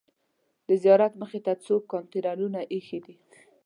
د زیارت مخې ته څو کانتینرونه ایښي دي.